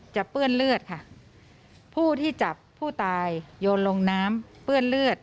เปื้อนเลือดค่ะผู้ที่จับผู้ตายโยนลงน้ำเปื้อนเลือด